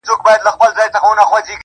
راته ښكلا راوړي او ساه راكړي.